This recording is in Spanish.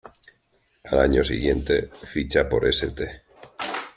Al año siguiente ficha por St.